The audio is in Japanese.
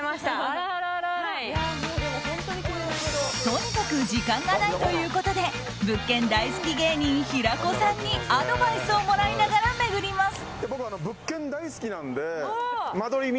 とにかく時間がないということで物件大好き芸人・平子さんにアドバイスをもらいながら巡ります。